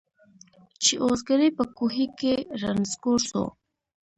چي اوزګړی په کوهي کي را نسکور سو